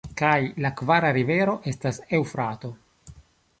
Kaj la kvara rivero estas Eŭfrato.